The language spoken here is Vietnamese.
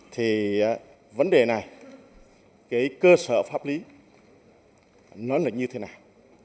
thì vấn đề này cái cơ sở pháp lý nó là như thế nào